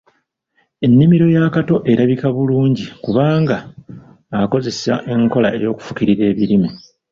Ennimiro ya Kato erabika bulungi kubanga akozesa enkola y’okufukirira ebirime.